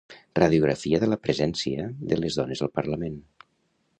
Radiografia de la presència de les dones al Parlament.